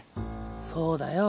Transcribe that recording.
そうだよ